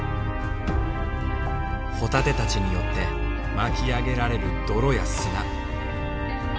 ホタテたちによって巻き上げられる泥や砂。